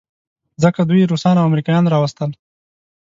ځکه دوی روسان او امریکایان راوستل.